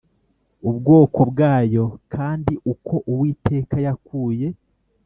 ubwoko bwayo kandi uko Uwiteka yakuye